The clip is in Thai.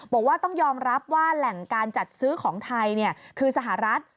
บอกว่าต้องยอมรับว่าแหล่งการจัดซื้อของไทยคือสหรัฐ